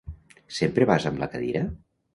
¿Sempre vas amb la cadira?